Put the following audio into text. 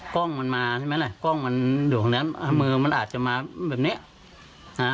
กล้องมันมาใช่ไหมล่ะกล้องมันอยู่ตรงนั้นอ่ามือมันอาจจะมาแบบเนี้ยอ่า